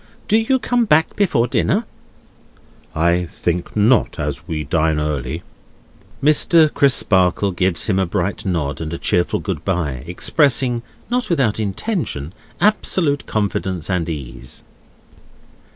Do you come back before dinner?" "I think not, as we dine early." Mr. Crisparkle gives him a bright nod and a cheerful good bye; expressing (not without intention) absolute confidence and ease.